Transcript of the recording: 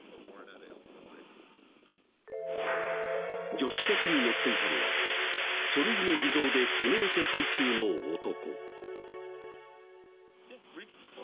［助手席に乗っていたのは書類の偽造で指名手配中の男］